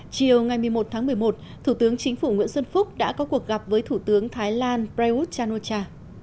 chiều ngày một mươi một tháng một mươi một thủ tướng chính phủ nguyễn xuân phúc đã có cuộc gặp với thủ tướng thái lan prayuth chan o cha